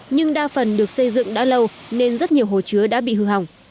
nhưng đa phần được xây dựng đã lâu nên rất nhiều hồ chứa đã bị hư hỏng